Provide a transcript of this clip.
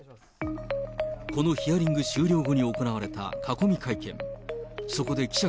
このヒアリング終了後に行われた囲み会見。